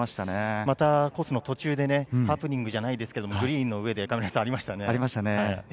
コースの途中でハプニングじゃないですけど、グリーンの上で何かありましたね。